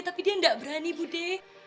tapi dia enggak berani budhe